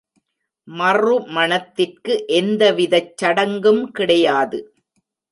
மறுமணத்திற்கு எந்த விதச் சடங்கும் கிடையாது.